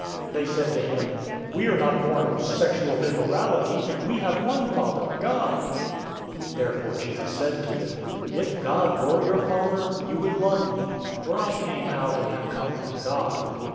They said to him, "We were not born of sexual immorality. We have one Father, God." 008:042 Therefore Jesus said to them, "If God were your father, you would love me, for I came out and have come from God.